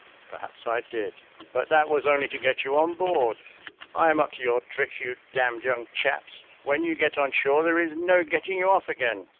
Perhaps I did; but that was only to get you on board. I am up to your tricks, you d d young chaps: when you get on shore, there is no getting you off again.